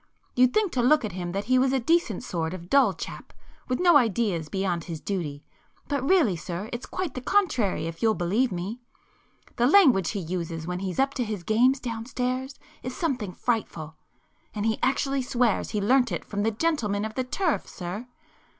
You'd think to look at him that he was a decent sort of dull chap with no ideas beyond his duty, but really sir, it's quite the contrary, if you'll believe me. The language he uses when he's up to his games downstairs is something frightful! And he actually swears he learnt it from the gentlemen of the turf, sir!